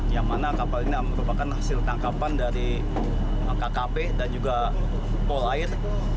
yang mana kapal ini merupakan hasil tangkapan dari kkp dan juga polair